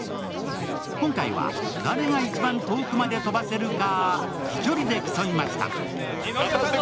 今回は誰が一番遠くまで飛ばせるか飛距離で競いました。